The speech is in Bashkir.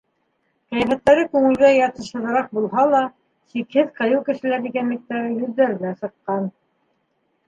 Ҡиәфәттәре күңелгә ятышһыҙыраҡ булһа ла, сикһеҙ ҡыйыу кешеләр икәнлектәре йөҙҙәренә сыҡҡан.